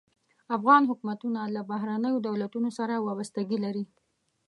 افغان حکومتونه له بهرنیو دولتونو سره وابستګي لري.